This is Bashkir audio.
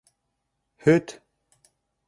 Һөт